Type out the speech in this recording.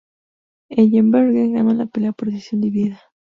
Ellenberger ganó la pelea por decisión dividida.